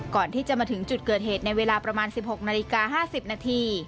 ก่อนที่จะมาถึงจุดเกิดเหตุในเวลาประมาณ๑๖นาฬิกา๕๐นาที